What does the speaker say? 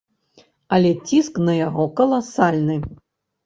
Але ціск на яго каласальны!